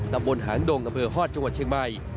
ตรงบนหางดงอเมียฮอร์ดจังหวัดเชียงมัย